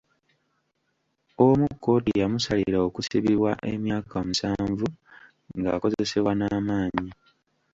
Omu kkooti yamusalira okusibibwa emyaka musanvu ng'akozesebwa n'amaanyi.